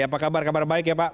apa kabar kabar baik ya pak